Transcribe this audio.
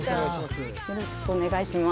よろしくお願いします。